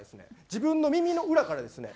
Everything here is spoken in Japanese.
自分の耳の裏からですね